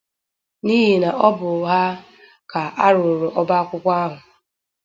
n'ihi na ọ bụ ha ka a rụụrụ ọba akwụkwọ ahụ.